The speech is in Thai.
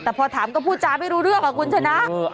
แต่พอถามก็พูดจาไม่รู้เรื่องอ่ะคุณชนะ